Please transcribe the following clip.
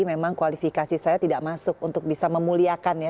memang kualifikasi saya tidak masuk untuk bisa memuliakan ya